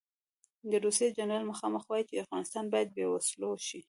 د روسیې جنرال مخامخ وایي چې افغانستان باید بې وسلو شي.